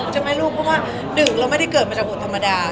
จะไม่รู้เพราะว่า๑เราไม่ได้เกิดมาจากบทธรรมดา